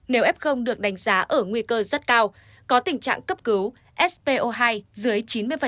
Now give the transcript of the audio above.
nếu f được đánh giá ở nguy cơ rất cao có tình trạng cấp cứu spo hai dưới chín mươi